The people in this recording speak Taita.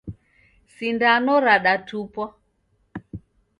Sindano radatupwa